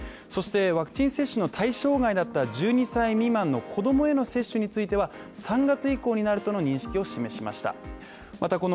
そしてワクチン接種の対象外だった１２歳未満の子供への接種については３月以降になるとの認識を示しました。